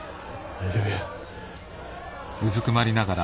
大丈夫や。